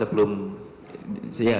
sebelum promised ya